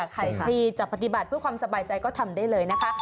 ใครที่จะปฏิบัติเพื่อความสบายใจก็ทำได้เลยนะคะ